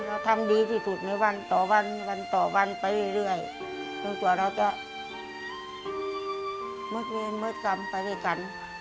เราทำดีที่สุดในวันต่อวันไปเรื่อยจนกว่าเราจะมืดเวรมืดกรรมไปด้วยกัน